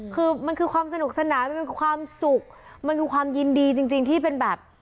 คือมันคือความสนุกสนานมันเป็นความสุขมันคือความยินดีจริงจริงที่เป็นแบบ